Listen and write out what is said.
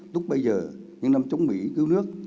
lúc bây giờ những năm chống mỹ cứu nước